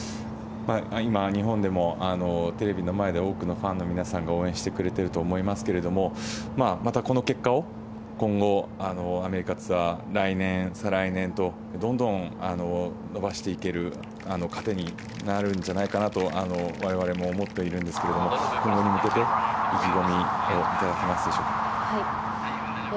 今、日本でもテレビの前で多くのファンの皆さんが応援してくれてると思いますがまたこの結果を今後アメリカツアー来年、再来年とどんどん伸ばしていける糧になるんじゃないかなと我々も思っているんですが今後に向けて意気込みを頂けますでしょうか。